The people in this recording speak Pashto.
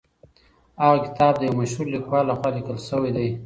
هغه کتاب د یو مشهور لیکوال لخوا لیکل سوی دی.